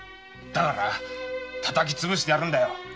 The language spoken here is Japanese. だから叩きつぶしてやるんだよ！